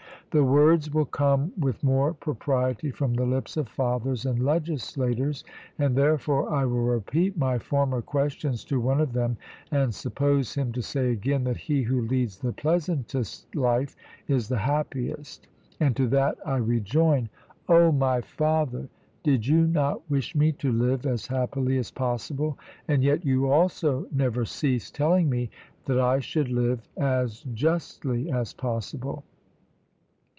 The words will come with more propriety from the lips of fathers and legislators, and therefore I will repeat my former questions to one of them, and suppose him to say again that he who leads the pleasantest life is the happiest. And to that I rejoin: O my father, did you not wish me to live as happily as possible? And yet you also never ceased telling me that I should live as justly as possible.